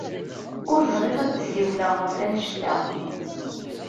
Ur bɣiɣ ad d-ssiwleɣ ɣef wanect-a.